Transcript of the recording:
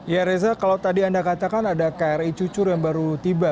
ya reza kalau tadi anda katakan ada kri cucur yang baru tiba